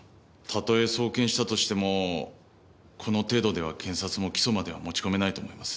たとえ送検したとしてもこの程度では検察も起訴までは持ち込めないと思います。